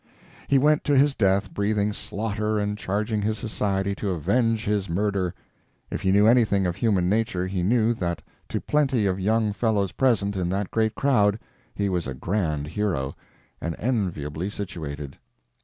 He went to his death breathing slaughter and charging his society to "avenge his murder." If he knew anything of human nature he knew that to plenty of young fellows present in that great crowd he was a grand hero—and enviably situated.